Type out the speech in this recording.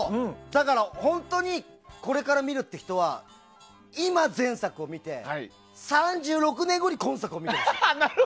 だから本当にこれから見るって人は今、前作を見て３６年後に今作を見てほしい。